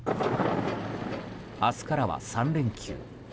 明日からは３連休。